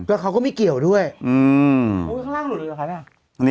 แล้วเขาไม่เกี่ยวด้วยอือเค้าไปข้างล่างดูดูเลยล่ะคเนี้ย